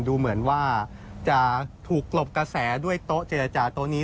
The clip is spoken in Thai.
ดูเหมือนว่าจะถูกหลบกระแสด้วยโต๊ะเจรจาโต๊ะนี้